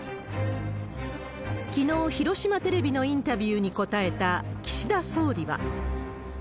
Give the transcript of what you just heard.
きのう、広島テレビのインタビューに答えた岸田総理は。